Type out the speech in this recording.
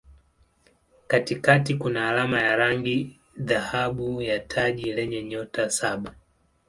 Katikati kuna alama ya rangi dhahabu ya taji lenye nyota saba.